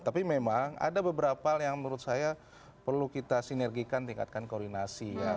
tapi memang ada beberapa hal yang menurut saya perlu kita sinergikan tingkatkan koordinasi ya